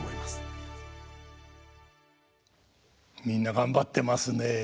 みんな頑張ってますね。